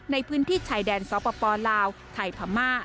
ในพื้นที่ชายแดนสปลาวไทยพม่า